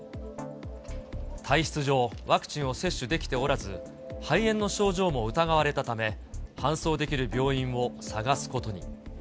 体質上、ワクチンを接種できておらず、肺炎の症状も疑われたため、搬送できる病院を探すことに。